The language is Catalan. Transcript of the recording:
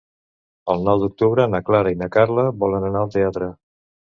El nou d'octubre na Clara i na Carla volen anar al teatre.